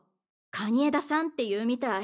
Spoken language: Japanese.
蟹江田さんっていうみたい。